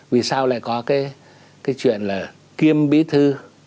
vì sao lại có cái chuyện là kiêm bí thư